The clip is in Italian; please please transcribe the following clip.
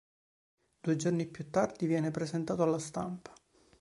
Due giorni più tardi viene presentato alla stampa.